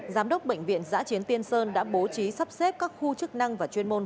giám đốc bệnh viện giã chiến tiên sơn đã bố trí sắp xếp các khu chức năng và chuyên môn